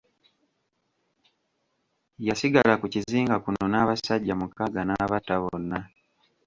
Yasigala ku kizinga kuno n'abasajja mukaaga n'abatta bonna.